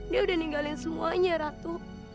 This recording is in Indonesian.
dia udah ninggalin semuanya ratu